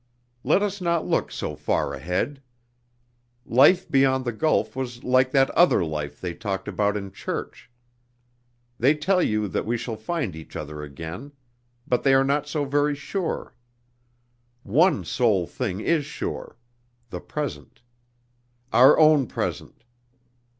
Let us not look so far ahead! Life beyond the gulf was like that "other life" they talked about in church. They tell you that we shall find each other again; but they are not so very sure. One sole thing is sure: the present. Our own present.